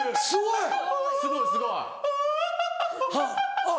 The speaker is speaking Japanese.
すごい！